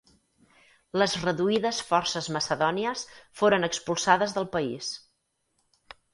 Les reduïdes forces macedònies foren expulsades del país.